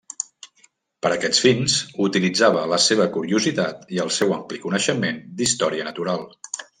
Per a aquests fins, utilitzava la seva curiositat i el seu ampli coneixement d'història natural.